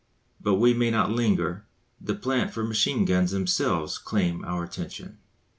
But we may not linger; the plant for the machine guns themselves claim our attention.